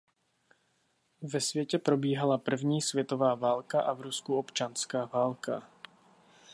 Ve světě probíhala první světová válka a v Rusku občanská válka.